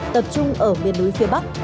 tập trung ở miền núi phía bắc